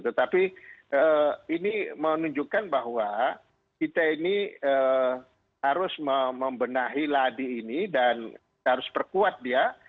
tetapi ini menunjukkan bahwa kita ini harus membenahi ladi ini dan harus perkuat dia